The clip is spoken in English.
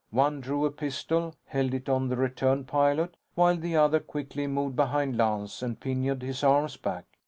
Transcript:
One drew a pistol, held it on the returned pilot, while the other quickly moved behind Lance and pinioned his arms back.